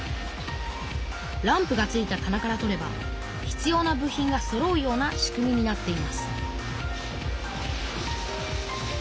ランプがついたたなから取れば必要な部品がそろうような仕組みになっています